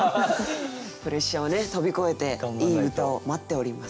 プレッシャーを飛び越えていい歌を待っております。